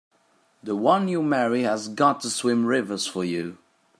The one you marry has got to swim rivers for you!